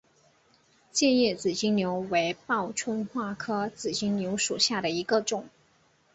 剑叶紫金牛为报春花科紫金牛属下的一个种。